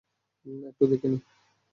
একটু দেখে নিই।